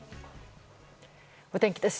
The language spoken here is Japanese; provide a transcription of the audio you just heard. お天気です。